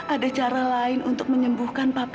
ada cara lain untuk menyembuhkan papan